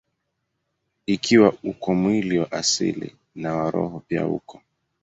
Ikiwa uko mwili wa asili, na wa roho pia uko.